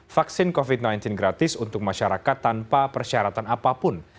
vaksin covid sembilan belas gratis untuk masyarakat tanpa persyaratan apapun